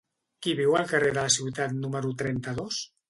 Qui viu al carrer de la Ciutat número trenta-dos?